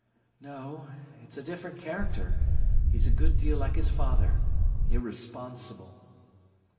"No; it's a different character. He's a good deal like his father, irresponsible."